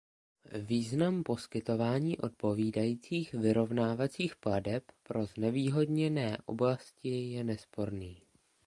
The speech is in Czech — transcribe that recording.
Význam poskytování odpovídajících vyrovnávacích plateb pro znevýhodněné oblasti je nesporný.